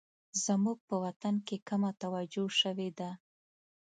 زموږ په وطن کې کمه توجه شوې ده